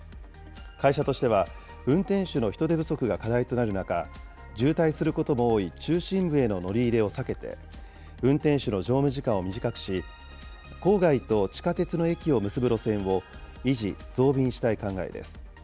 会社としては、運転手の人手不足が課題となる中、渋滞することも多い中心部への乗り入れを避けて、運転手の乗務時間を短くし、郊外と地下鉄の駅を結ぶ路線を維持・増便したい考えです。